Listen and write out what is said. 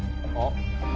あっ。